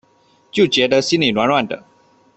就觉得心里暖暖的